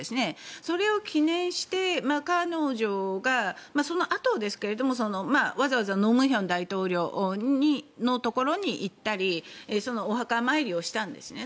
それを記念して彼女がそのあとですがわざわざ盧武鉉大統領のところに行ったりお墓参りをしたんですね。